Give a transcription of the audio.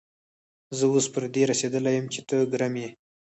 زه اوس پر دې رسېدلی يم چې ته ګرم يې.